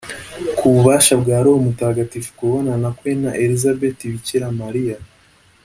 ku bubasha bwa roho mutagatifu, ukubonana kwe na elizabeti, bikira mariya